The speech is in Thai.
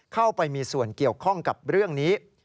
เข้าไปมีส่วนเกี่ยวข้องกับเรื่องนี้